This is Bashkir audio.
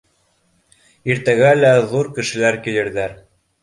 Иртәгә лә ҙур кешеләр килерҙәр.